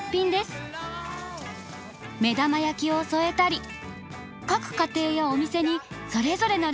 目玉焼きを添えたり各家庭やお店にそれぞれのレシピがあるんです。